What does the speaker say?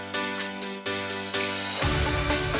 sampai jumpa lagi